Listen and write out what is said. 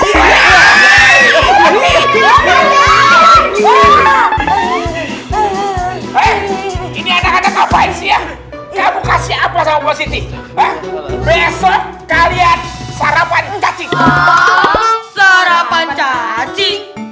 hai ini ada ada kabar siang kamu kasih apa sama posisi besok kalian sarapan caci sarapan caci